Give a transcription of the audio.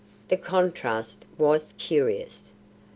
The contrast was curious.